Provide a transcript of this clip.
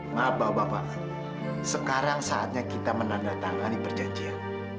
maaf bapak sekarang saatnya kita menandatangani perjanjian